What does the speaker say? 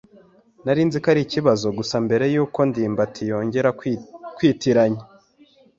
Nari nzi ko ari ikibazo gusa mbere yuko ndimbati yongera kwitiranya.